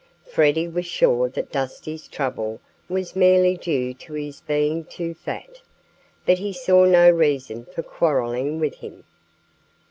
Freddie was sure that Dusty's trouble was merely due to his being too fat. But he saw no reason for quarreling with him.